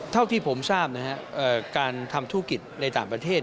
เท่าที่ผมทราบนะฮะการทำธุรกิจในต่างประเทศ